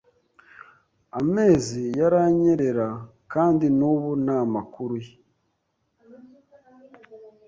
Amezi yaranyerera kandi n'ubu nta makuru ye.